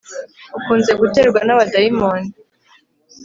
ukunze guterwa n'abadayimoni